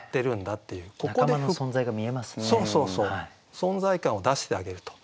存在感を出してあげると。